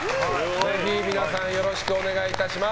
ぜひ、皆さんよろしくお願いいたします。